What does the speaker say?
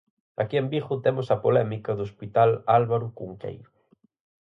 Aquí en Vigo temos a polémica do hospital Álvaro Cunqueiro.